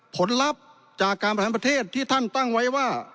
ผลลัพธ์จากการบริหารประเทศที่ท่านตั้งไว้ว่า